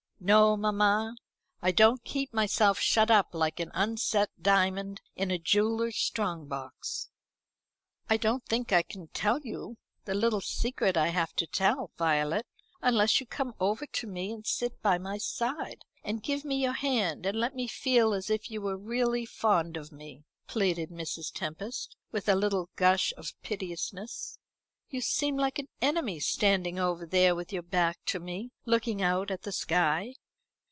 "No, mamma. I don't keep myself shut up like an unset diamond in a jeweller's strong box." "I don't think I can tell you the little secret I have to tell, Violet, unless you come over to me and sit by my side, and give me your hand, and let me feel as if you were really fond of me," pleaded Mrs. Tempest, with a little gush of piteousness. "You seem like an enemy, standing over there with your back to me, looking out at the sky."